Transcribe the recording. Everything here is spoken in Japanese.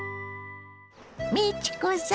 美智子さん